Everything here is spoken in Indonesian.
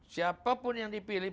siapa pun yang dipilih